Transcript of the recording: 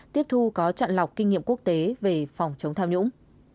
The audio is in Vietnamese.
tiếp thu có chặn lọc kinh nghiệm quốc tế về phòng chống tham nhũng